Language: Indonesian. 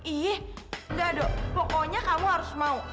iya enggak dok pokoknya kamu harus mau